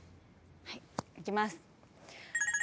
はいいきます。